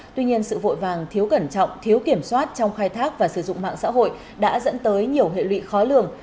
tuy nhiên sự vội vàng thiếu cẩn trọng thiếu kiểm soát trong khai thác và sử dụng mạng xã hội đã dẫn tới nhiều hệ lụy khó lường